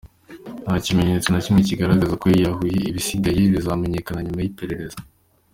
Nta kimenyetso na kimwe kigaragaza ko yiyahuye,…ibisigaye bizamenyekana nyuma y’iperereza.